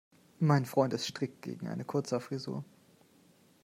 Mein Freund ist strikt gegen eine Kurzhaarfrisur.